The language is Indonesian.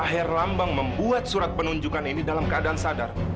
pak herlambang membuat surat penunjukan ini dalam keadaan sadar